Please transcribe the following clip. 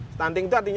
stunting itu artinya